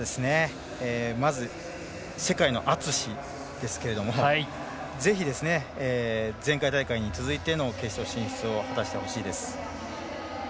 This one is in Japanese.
まず、世界の篤ですけれどもぜひ、前回大会に続いての決勝進出を果たしてほしいです。